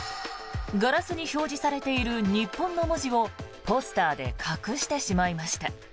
ガラスに表示されている「日本」の文字をポスターで隠してしまいました。